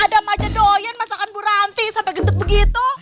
adam aja doyan masakan bu ranti sampai gendut begitu